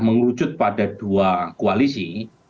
mengelucut pada dua koalisi